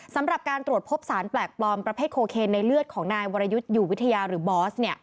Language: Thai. สำหรับการตรวจพบสารแปลกปลอมประเภทโคเคนในเลือดของนายวรยุทธ์อยู่วิทยาหรือบอส